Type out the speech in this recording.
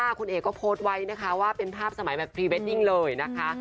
คุณเอกก็โพสต์ไว้นะคะว่าเป็นภาพสมัยแบบพรีเวดดิ้งเลยนะคะ